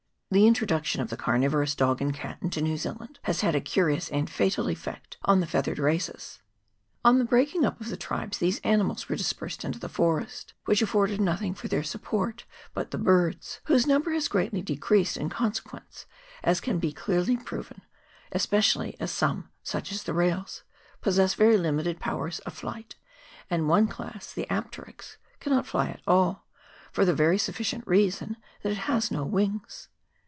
The introduction of the carnivorous dog and cat into New Zealand has had a curious and fatal effect on the feathered races. On the breaking up of the tribes these animals were dispersed into the forest, which afforded nothing for their support but the birds, whose number has greatly decreased in conse quence, as can be clearly proved, especially as some such as the rails possess very limited powers of flight, and one class, the apterix, cannot fly at all, for the very sufficient reason that it has no wings.